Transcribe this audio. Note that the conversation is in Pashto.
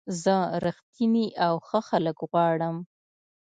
زه رښتیني او ښه خلک غواړم.